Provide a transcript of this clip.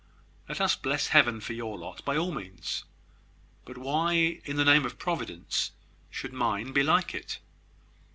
Let us bless Heaven for your lot, by all means; but why, in the name of Providence, should mine be like it?